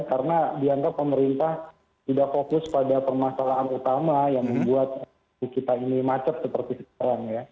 karena diantar pemerintah tidak fokus pada permasalahan utama yang membuat kita ini macet seperti sekarang ya